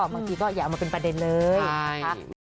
เมื่อกี้ก็อย่าเอามาเป็นประเด็นเลย